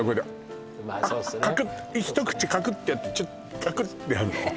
一口カクッてやってチュッカクッてやんの？